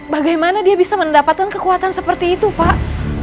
bagaimana dia bisa mendapatkan kekuatan seperti itu pak